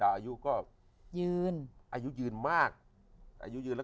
ถ้าทุกสามมองข้ามแล้ว